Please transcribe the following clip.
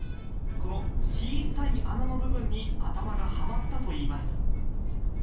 この小さい穴の部分に頭がはまったといいます。